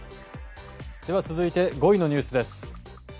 では、続いて５位のニュースです。